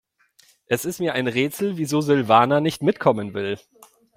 Es ist mir ein Rätsel, wieso Silvana nicht mitkommen will.